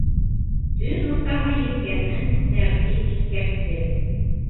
Төн уртаһы еткәнен Сәғди иҫкәртте: